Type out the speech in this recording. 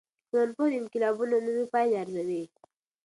ټولنپوه د انقلابونو عمومي پایلي ارزوي.